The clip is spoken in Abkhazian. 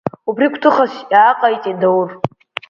Убри гәҭыхас иааҟаиҵеит Даур.